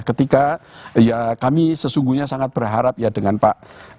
ketika ya kami sesungguhnya sangat berharap ya dengan pak